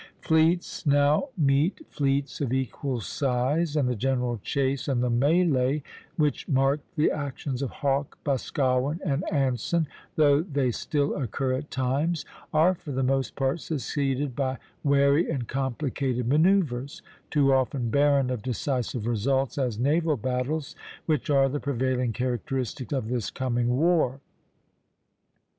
Fleets now meet fleets of equal size, and the general chase and the mêlée, which marked the actions of Hawke, Boscawen, and Anson, though they still occur at times, are for the most part succeeded by wary and complicated manoeuvres, too often barren of decisive results as naval battles, which are the prevailing characteristic of this coming war.